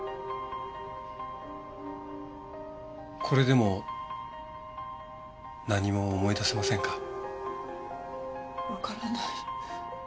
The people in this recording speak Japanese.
これでも何も思い出せませんか？